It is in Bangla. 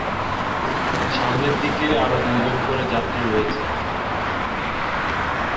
সামনের দিকে আরও দুই জন করে যাত্রী রয়েছে।